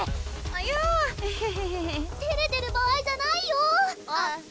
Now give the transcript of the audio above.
いやぁエヘヘヘてれてる場合じゃないよあっ